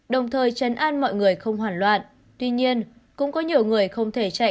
đồng thời chấn an mọi người không hoàn loạn tuy nhiên cũng có nhiều người không thể chạy